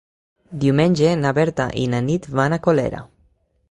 Diumenge na Berta i na Nit van a Colera.